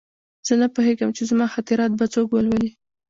زه نه پوهېږم چې زما خاطرات به څوک ولولي